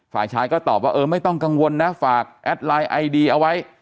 ฝ่ายชายก็ตอบว่าเออไม่ต้องกังวลนะฝากแอดไลน์ไอดีเอาไว้